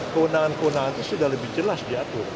kewenangan kewenangan itu sudah lebih jelas diatur